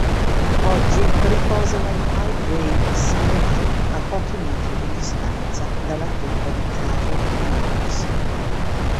Oggi riposa nell'Highgate Cemetery, a pochi metri di distanza dalla tomba di Karl Marx.